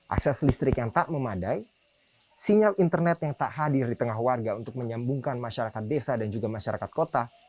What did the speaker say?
akses listrik yang tak memadai sinyal internet yang tak hadir di tengah warga untuk menyambungkan masyarakat desa dan juga masyarakat kota